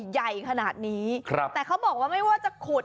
ใหญ่ขนาดนี้ครับแต่เขาบอกว่าไม่ว่าจะขุด